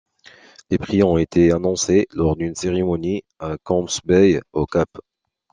Les prix ont été annoncés lors d'une cérémonie à Camps Bay, au Cap.